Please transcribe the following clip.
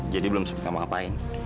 jadi belum sempat sama ngapain